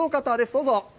どうぞ。